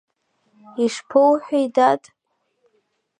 Ишԥоуҳәеи, дад?